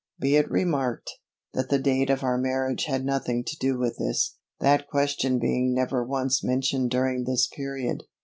Be it remarked, that the date of our marriage had nothing to do with this, that question being never once mentioned during this period.